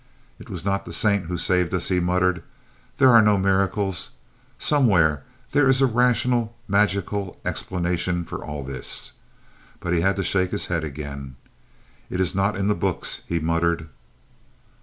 "It was not the saint who saved us," he muttered. "There are no miracles. Somewhere there is a rational magical explanation for all this." But he had to shake his head again. "It is not in the books," he muttered.